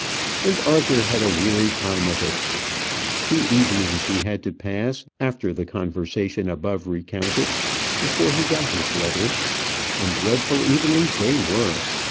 And Arthur had a weary time of it. Two evenings he had to pass, after the conversation above recounted, before he got his letter; and dreadful evenings they were.